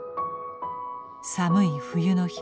寒い冬の日